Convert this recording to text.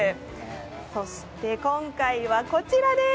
そして今回はこちらです。